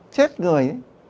chết người đấy